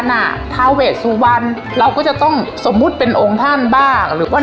น่ะทาเวชสุวรรณเราก็จะต้องสมมุติเป็นองค์ท่านบ้างหรือว่า